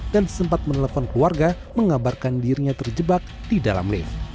dan sempat menelpon keluarga mengabarkan dirinya terjebak di dalam lift